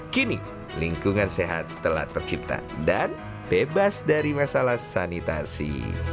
kini lingkungan sehat telah tercipta dan bebas dari masalah sanitasi